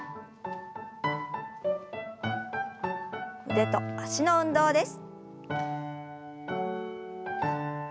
腕と脚の運動です。